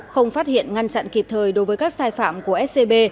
không phát hiện ngăn chặn kịp thời đối với các sai phạm của scb